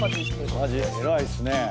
家事偉いっすね。